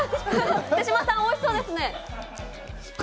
手嶋さん、おいしそうですね。